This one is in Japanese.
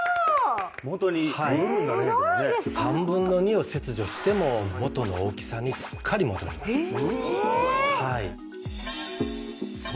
元に戻るんだね３分の２を切除しても元の大きさにすっかり戻りますええ！